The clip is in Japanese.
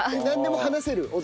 なんでも話せる？